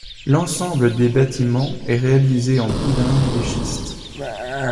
L'ensemble des bâtiments est réalisé en poudingue et schiste.